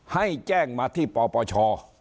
ให้แจ้งมาที่ปปช